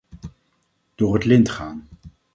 Door het lint gaan.